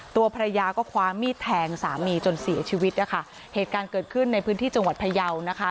ตัวภรรยาก็คว้ามีดแทงสามีจนเสียชีวิตนะคะเหตุการณ์เกิดขึ้นในพื้นที่จังหวัดพยาวนะคะ